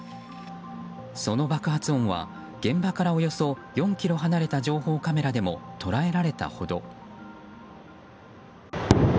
その爆発音は現場からおよそ４ｋｍ離れた情報カメラでも捉えられたほど。